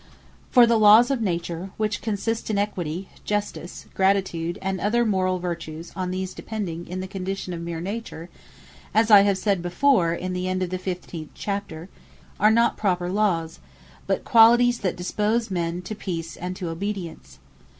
For the Lawes of Nature, which consist in Equity, Justice, Gratitude, and other morall Vertues on these depending, in the condition of meer Nature (as I have said before in the end of the 15th Chapter,) are not properly Lawes, but qualities that dispose men to peace, and to obedience.